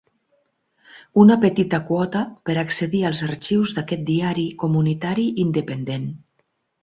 Una petita quota per accedir als arxius d'aquest diari comunitari independent.